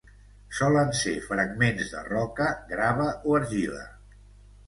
Solen ser fragments de roca, grava o argila.